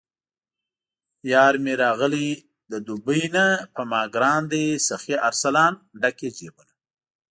یارمې راغلی د دوبۍ نه په ماګران دی سخي ارسلان، ډک یې د جېبونه